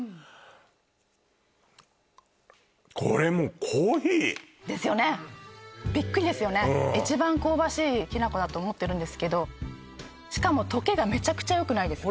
これもうですよねビックリですよね一番香ばしいきな粉だと思ってるんですけどしかも溶けがメチャクチャよくないですか？